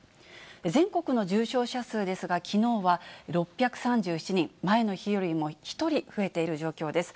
全国の重症者数ですが、きのうは６３７人、前の日よりも１人増えている状況です。